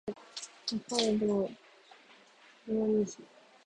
北海道様似町